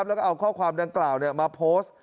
แล้วก็เอาข้อความดังกล่าวมาโพสต์